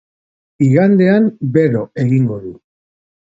Igandean bero egingo du.